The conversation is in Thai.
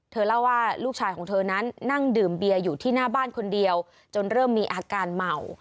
เล่าว่าลูกชายของเธอนั้นนั่งดื่มเบียร์อยู่ที่หน้าบ้านคนเดียวจนเริ่มมีอาการเหมา